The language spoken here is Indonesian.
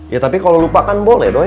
ya tapi kalau lupa kan boleh dong